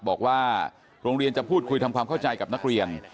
บอกว่าโรงเรียนจะพูดคุยทำความเข้าใจกับนักเรียน